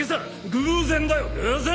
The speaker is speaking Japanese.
偶然だよ偶然！